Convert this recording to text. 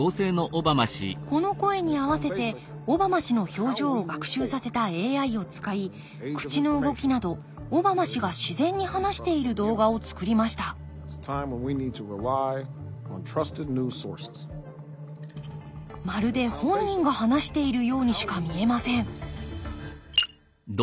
この声に合わせてオバマ氏の表情を学習させたＡＩを使い口の動きなどオバマ氏が自然に話している動画をつくりましたまるで本人が話しているようにしか見えません